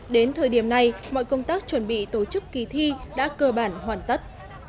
đến thời điểm này mọi công tác chuẩn bị tổ chức kỳ thi đã cơ bản hoàn tất